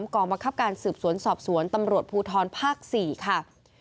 กองบังคับการสืบสวนสอบสวนตำรวจภูทรภาค๔ค่ะ